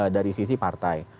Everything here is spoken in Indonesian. dari sisi partai